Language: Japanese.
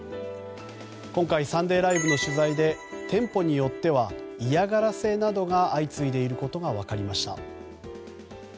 今回「サンデーＬＩＶＥ！！」の取材で、店舗によっては嫌がらせなどが相次いでいることが分かりました。